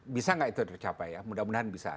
bisa nggak itu tercapai ya mudah mudahan bisa